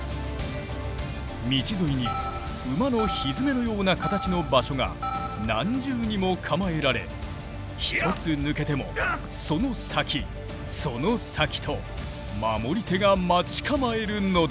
道沿いに馬のひづめのような形の場所が何重にも構えられ１つ抜けてもその先その先と守り手が待ち構えるのだ。